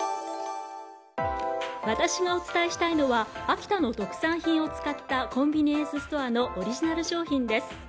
私がお伝えしたいのは秋田の特産品を使ったコンビニエンスストアのオリジナル商品です。